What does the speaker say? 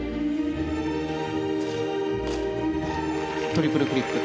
トリプルフリップ。